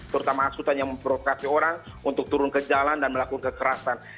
terutama hasutan yang memprovokasi orang untuk turun ke jalan dan melakukan kekerasan